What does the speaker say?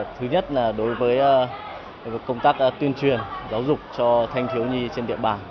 thứ nhất là đối với công tác tuyên truyền giáo dục cho thanh thiếu nhi trên địa bàn